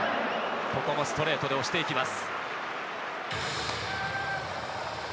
ここもストレートで押していきます。